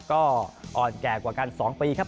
ก็อ่อนแก่กว่ากัน๒ปีครับ